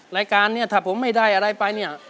รายการถ้าผมไม่ได้อะไรไป